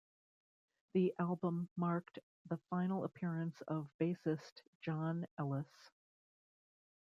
The album marked the final appearance of bassist Jon Ellis.